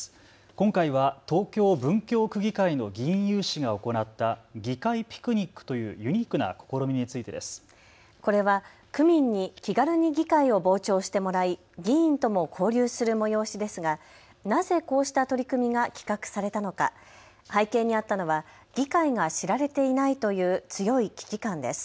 今回は東京、文京区議会の議員有志が行った議会ピクニックというユニークな試みについてです。これは区民に気軽に議会を傍聴してもらい議員とも交流する催しですが、なぜこうした取り組みが企画されたのか、背景にあったのは議会が知られていないという強い危機感です。